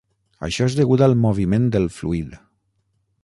Això és degut al moviment del fluid.